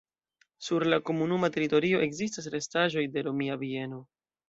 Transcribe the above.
Sur la komunuma teritorio ekzistas restaĵoj de romia bieno.